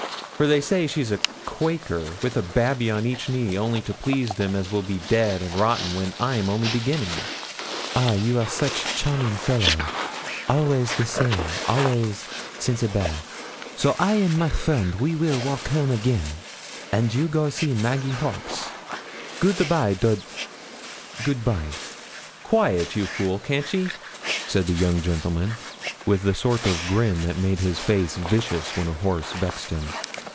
for they say she's a Quaker with a babby on each knee, only to please them as will be dead and rotten when I'm only beginning?' 'Ah, you are such charming fellow; always the same always sensible. So I and my friend we will walk home again, and you go see Maggie Hawkes. Good a by, Dud good a by.' 'Quiet, you fool! can't ye?' said the young gentleman, with the sort of grin that made his face vicious when a horse vexed him.